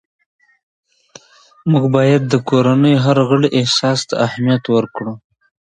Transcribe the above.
موږ باید د کورنۍ هر غړي احساس ته اهمیت ورکړو